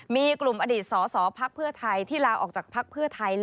มีกลุ่มอดีตสสพักเพื่อไทยที่ลาออกจากภักดิ์เพื่อไทย